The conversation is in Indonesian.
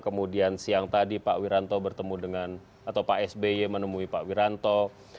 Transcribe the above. kemudian siang tadi pak wiranto bertemu dengan atau pak sby menemui pak wiranto